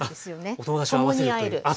お友達とあわせるという。